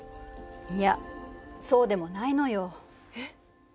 いやそうでもないのよ。えっ？